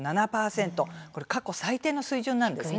これ過去最低の水準なんです。